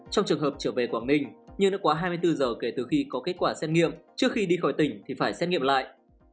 trong trường hợp trở về quảng ninh nhưng đã quá hai mươi bốn giờ kể từ khi có kết quả xét nghiệm trước khi đi khỏi tỉnh thì phải xét nghiệm lại